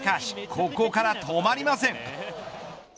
ここから止まりません。